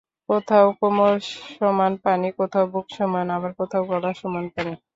কোথাও কোমর সমান পানি, কোথাও বুক সমান আবার কোথাও গলা সমান পানি।